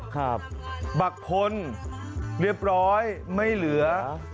ครับบางคนเรียบร้อยไม่เหลือ